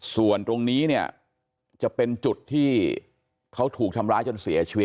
ส่วนตรงนี้เนี่ยจะเป็นจุดที่เขาถูกทำร้ายจนเสียชีวิต